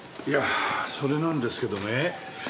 いやそれなんですけどね。